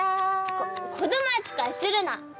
こ子ども扱いするな！